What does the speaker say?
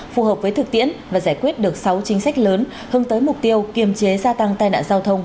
phù hợp với thực tiễn và giải quyết được sáu chính sách lớn hơn tới mục tiêu kiềm chế gia tăng tai nạn giao thông